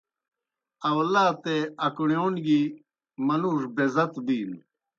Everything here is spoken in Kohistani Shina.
آؤلاتے اکݨِیون گیْ منُوڙوْ بیزَت بِینوْ۔